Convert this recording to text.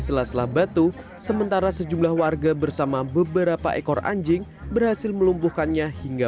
sela sela batu sementara sejumlah warga bersama beberapa ekor anjing berhasil melumpuhkannya hingga